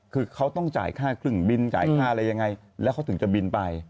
คือเขาต้องจ่ายค่าเครื่องบินจ่ายค่าอะไรยังไงแล้วเขาถึงจะบินไป